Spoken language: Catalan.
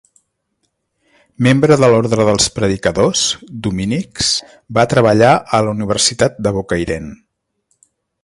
Membre de l'Orde dels Predicadors, dominics, va treballar a la Universitat de Bocairent.